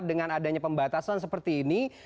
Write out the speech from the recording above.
dengan adanya pembatasan seperti ini